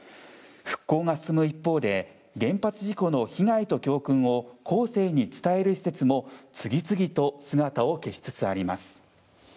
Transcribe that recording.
復興が進む一方で原発事故の被害と教訓を後世に伝える施設も次々と姿を消しつつあります。